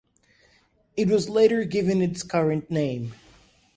It was later given its current name.